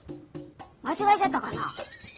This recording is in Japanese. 間違えちゃったかな。